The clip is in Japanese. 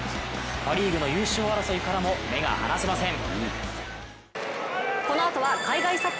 パ・リーグの優勝争いからも目が離せません。